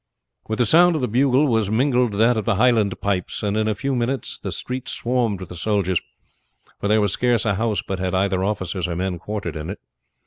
With the sound of the bugle was mingled that of the Highland pipes, and in a few minutes the streets swarmed with the soldiers; for there was scarce a house but had either officers or men quartered in it.